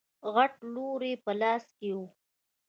غټ لور يې په لاس کې و.